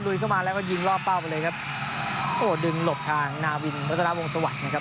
เข้ามาแล้วก็ยิงล่อเป้าไปเลยครับโอ้โหดึงหลบทางนาวินวัฒนาวงศวรรคนะครับ